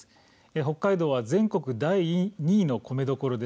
北海道は全国第２位の米どころ。